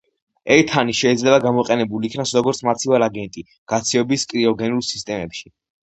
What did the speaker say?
ეთანი შეიძლება გამოყენებულ იქნას როგორც მაცივარ აგენტი გაცივების კრიოგენულ სისტემებში.